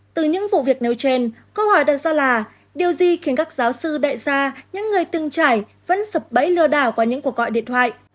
từ những vụ việc nêu trên câu hỏi đặt ra là điều gì khiến các giáo sư đại gia những người từng trải vẫn sập bẫy lừa đảo qua những cuộc gọi điện thoại